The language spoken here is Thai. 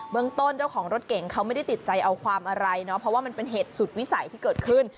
เมืองต้นเจ้าของรถเก่งเขาไม่ได้ติดใจเอาความอะไรเนาะเพราะว่ามันเป็นเหตุสุดวิสัยที่เกิดขึ้น